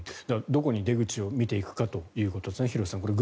どこに出口を見ていくかということですね、廣瀬さん。